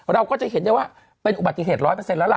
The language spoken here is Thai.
เราก็จะเห็นได้ว่าเป็นอุบัติเทศร้อยเปอร์เซ็นต์แล้วล่ะ